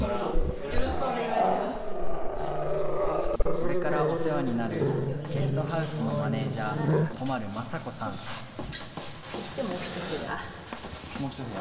これからお世話になるゲストハウスのマネージャーそしてもう一部屋。